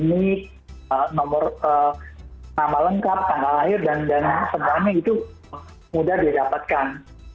nik nomor nama lengkap tanggal lahir dan sebagainya itu mudah didapatkan